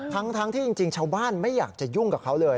ทั้งที่จริงชาวบ้านไม่อยากจะยุ่งกับเขาเลย